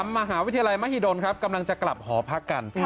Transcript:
มหาวิทยาลัยมหิดลครับกำลังจะกลับหอพักกัน